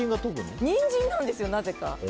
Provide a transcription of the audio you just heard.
ニンジンなんですよ、なぜか。